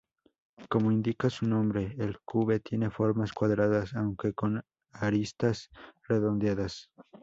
Como indica su nombre, el Cube tiene formas cuadradas aunque con aristas redondeadas.